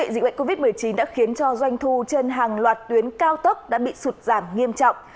dịch bệnh covid một mươi chín đã khiến cho doanh thu trên hàng loạt tuyến cao tốc đã bị sụt giảm nghiêm trọng